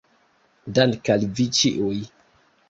Dank' al vi ĉiuj